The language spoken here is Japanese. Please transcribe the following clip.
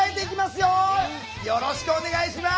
よろしくお願いします！